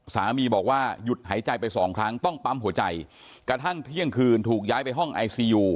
สามียืดหายใจไป๒ครั้งต้องปั๊มหัวใจ